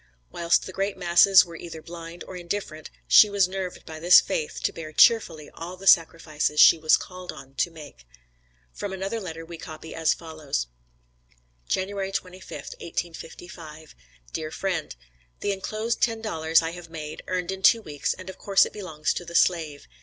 Whilst the great masses were either blind, or indifferent, she was nerved by this faith to bear cheerfully all the sacrifices she was called on to make. From another letter we copy as follows: JANUARY 25th, 1855. DEAR FRIEND: The enclosed ten dollars I have made, earned in two weeks, and of course it belongs to the slave.